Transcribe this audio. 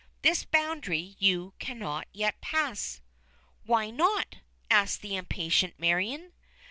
"This boundary you cannot yet pass." "Why not?" asked the impatient Marion.